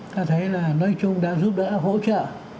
ta thấy là nói chung đã giúp đỡ hỗ trợ